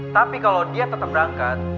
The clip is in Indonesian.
tapi kalo dia tetep berangkat